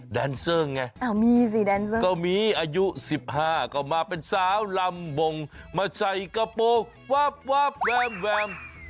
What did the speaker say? แดนเซอร์ไงก็มีอายุ๑๕ก็มาเป็นสาวลำบงมาใส่กระโปรกวับแวม